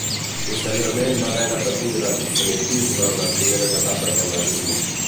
Posteriorment, va haver de patir l'antisemitisme en les primeres etapes del nazisme.